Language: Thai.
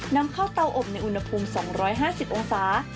นำเข้าเตาอบในอุณหภูมิ๒๕๐องศา